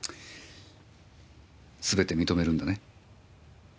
すべて認めるんだね？